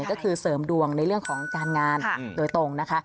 ก็คือเสริมดวงในเรื่องของการงานโดยตรงนะคะ